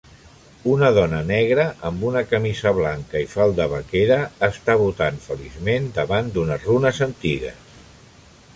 Una dona negra amb una camisa blanca i falda vaquera està botant feliçment davant d'unes runes antigues